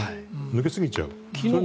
抜け過ぎちゃう。